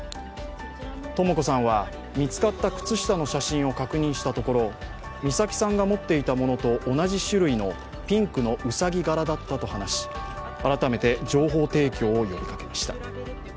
とも子さんは、見つかった靴下の写真を確認したところ美咲さんが持っていたものと同じ種類のピンクのうさぎ柄だったと話し改めて情報提供を呼びかけました。